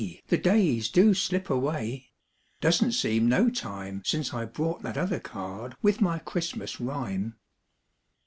the days do slip away ! Doesn't seem no time Since I brought that other card With my Christmas rhyme.